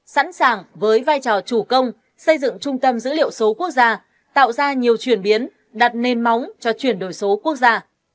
sẵn sàng với vai trò chủ công xây dựng trung tâm dữ liệu số quốc gia tạo ra nhiều chuyển biến đặt nền móng cho chuyển đổi số quốc gia